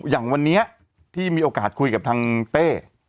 อย่างวันนี้ที่มีโอกาสคุยกับทางเต้